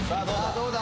どうだ？